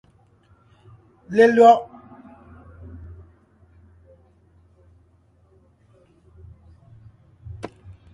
Lelÿɔ’.